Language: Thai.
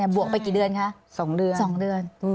บวกไปกี่เดือนคะ๒เดือน